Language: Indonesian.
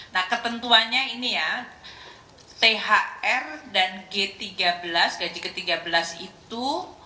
nah ketentuannya ini ya thr dan gaji ke tiga belas itu